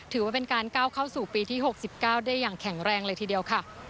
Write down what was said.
ถือว่าเป็นการก้าวเข้าสู่ปีที่๖๙ได้อย่างแข็งแรงเลยทีเดียวค่ะ